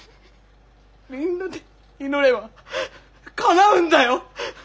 みんなで祈ればかなうんだよ！